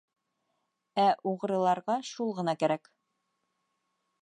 Ә уғрыларға шул ғына кәрәк.